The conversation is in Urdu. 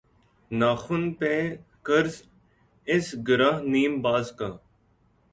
ناخن پہ قرض اس گرہ نیم باز کا